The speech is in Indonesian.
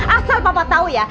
asal papa tau ya